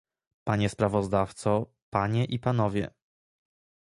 Panie sprawozdawco, panie i panowie